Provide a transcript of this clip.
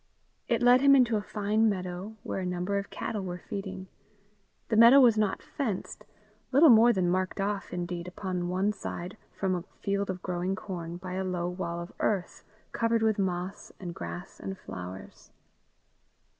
It led him into a fine meadow, where a number of cattle were feeding. The meadow was not fenced little more than marked off, indeed, upon one side, from a field of growing corn, by a low wall of earth, covered with moss and grass and flowers.